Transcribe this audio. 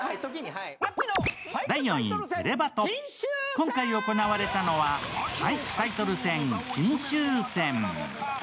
今回行われたのは俳句タイトル戦、金秋戦。